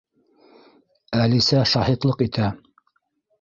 ӘЛИСӘ ШАҺИТЛЫҠ ИТӘ